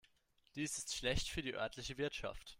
Dies ist schlecht für die örtliche Wirtschaft.